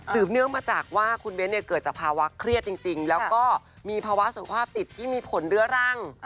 สืบเนื่องมาจากว่าคุณเบนเกิดจากภาวะเครียดจริง